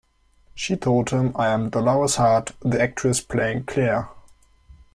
She told him I am Dolores Hart, the actress playing Clare.